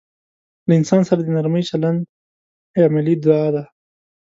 له انسان سره د نرمي چلند عملي دعا ده.